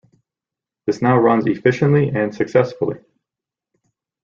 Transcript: This now runs efficiently and successfully.